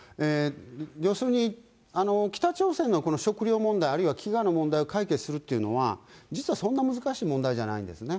要するに、北朝鮮のこの食糧問題、あるいは飢餓の問題を解決するっていうのは、実はそんな難しい問題じゃないんですね。